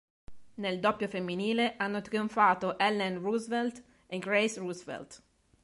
Nel doppio femminile hanno trionfato Ellen Roosevelt e Grace Roosevelt.